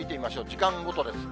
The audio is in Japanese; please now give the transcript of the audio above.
時間ごとです。